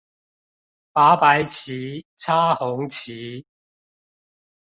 拔白旗、插紅旗